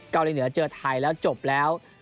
เกาหลีเหนือเจอไทยแล้วจบแล้ว